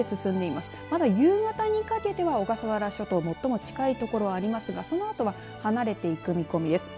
まだ夕方にかけては小笠原諸島最も近い所はありますがそのあとは離れていく見込みです。